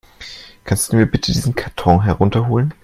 Kannst du mir bitte diesen Karton herunter holen?